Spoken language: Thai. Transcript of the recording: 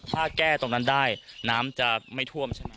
ถ้าแก้ตรงนั้นได้น้ำจะไม่ท่วมใช่ไหม